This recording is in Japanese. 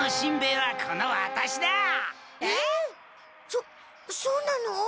そそうなの？